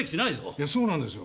いやそうなんですよ。